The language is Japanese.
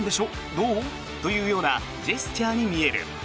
どう？というようなジェスチャーに見える。